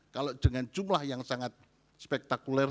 kalau dengan jumlah yang sangat spektakuler